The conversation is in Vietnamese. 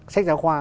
sách giáo khoa